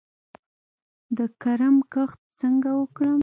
د کرم کښت څنګه وکړم؟